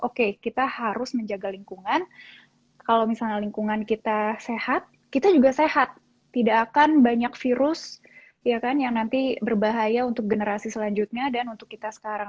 oke kita harus menjaga lingkungan kalau misalnya lingkungan kita sehat kita juga sehat tidak akan banyak virus yang nanti berbahaya untuk generasi selanjutnya dan untuk kita sekarang